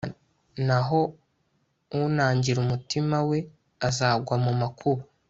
naho unangira umutima we azagwa mu makuba